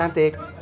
saya mulai penuh